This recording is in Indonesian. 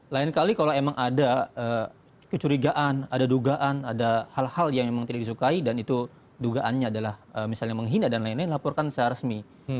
lain kali kalau emang ada kecurigaan ada dugaan ada hal hal yang memang tidak disukai dan itu dugaannya adalah misalnya menghina dan lain lain laporkan secara resmi